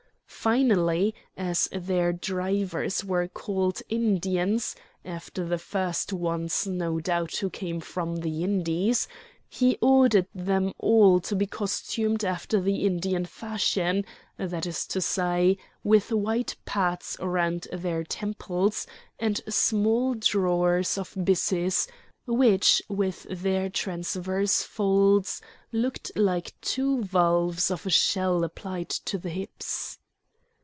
Finally, as their drivers were called Indians (after the first ones, no doubt, who came from the Indies) he ordered them all to be costumed after the Indian fashion; that is to say, with white pads round their temples, and small drawers of byssus, which with their transverse folds looked like two valves of a shell applied to the hips.